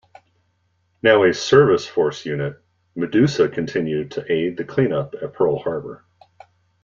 Now a Service Force unit, "Medusa" continued to aid the clean-up at Pearl Harbor.